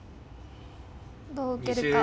どう受けるか。